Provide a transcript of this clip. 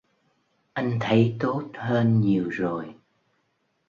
Anh thấy tốt hơn nhiều rồi